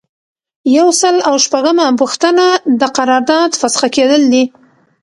یو سل او شپږمه پوښتنه د قرارداد فسخه کیدل دي.